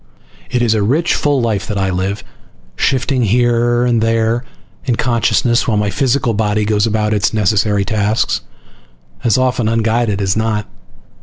It is a rich, full life that I live, shifting here and there in consciousness while my physical body goes about its necessary tasks, as often unguided as not.